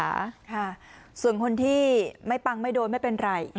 ค่ะส่วนคนที่ไม่ปังไม่โดนไม่เป็นไร